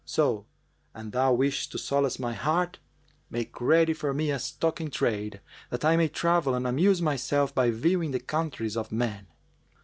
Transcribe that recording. So, an thou wish to solace my heart, make ready for me a stock in trade, that I may travel and amuse myself by viewing the countries of men."